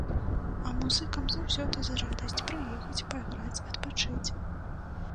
А музыкам заўсёды за радасць прыехаць, пайграць, адпачыць.